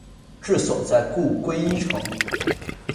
治所在故归依城。